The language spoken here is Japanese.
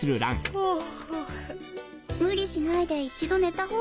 あっ？